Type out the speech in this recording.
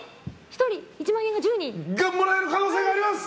もらえる可能性があります。